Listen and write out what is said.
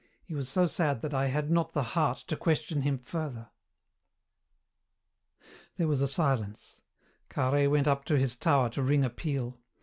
He was so sad that I had not the heart to question him further." There was a silence. Carhaix went up to his tower to ring a peal.